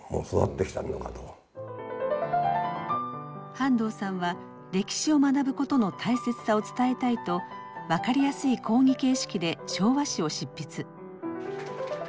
半藤さんは歴史を学ぶことの大切さを伝えたいと分かりやすい講義形式で「昭和史」を執筆。